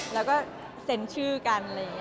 แล้วก็เซ็นชื่อกัน